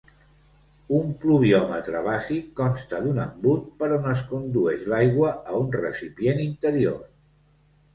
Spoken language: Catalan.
Un pluviòmetre bàsic consta d'un embut per on es condueix l'aigua a un recipient interior.